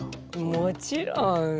もちろん！